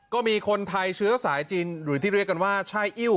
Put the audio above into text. ก็มีคนไทยเชื้อสายจีนหรือที่เรียกกันว่าช่ายอิ้ว